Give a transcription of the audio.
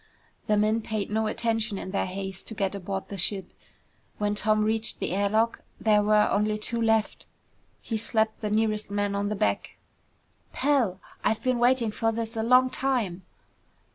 The men paid no attention in their haste to get aboard the ship. When Tom reached the air lock, there were only two left. He slapped the nearest man on the back. "Pal, I've been waiting for this a long time!"